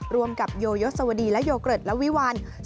รวมกับโยยศวดีและโยเกิร์ตและวิวัล